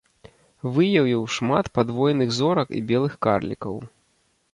Выявіў шмат падвойных зорак і белых карлікаў.